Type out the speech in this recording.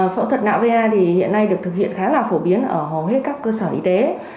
phẫu thuật não va thì hiện nay được thực hiện khá là phổ biến ở hầu hết các cơ sở y tế